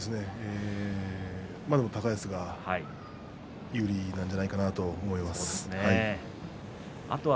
高安が有利なんじゃないかと思います。